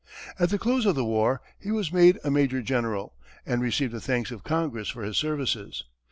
At the close of the war, he was made a major general, and received the thanks of Congress for his services.